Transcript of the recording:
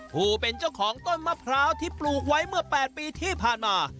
ผู้เป็นเจ้าของต้นมะพร้าวที่ปลูกไว้เมื่อ๘ปีที่ผ่านมา